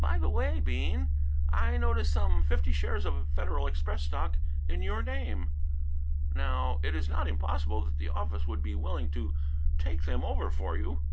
"By the way, Bean, I notice some fifty shares of Federal Express stock in your name. Now it is not impossible that the office would be willing to take them over for you."